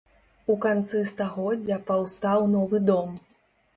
У канцы стагоддзя паўстаў новы дом.